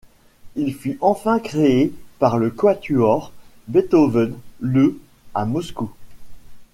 Il fut enfin créé par le Quatuor Beethoven le à Moscou.